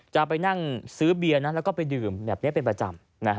จะไปนั่งซื้อเบียร์แล้วก็ไปดื่มแบบนี้เป็นประจำ